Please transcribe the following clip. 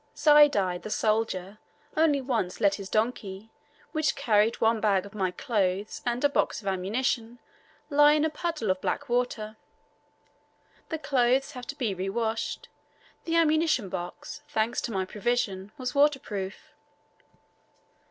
Zaidi, the soldier, only once let his donkey, which carried one bag of my clothes and a box of ammunition, lie in a puddle of black water. The clothes have to be re washed; the ammunition box, thanks to my provision, was waterproof.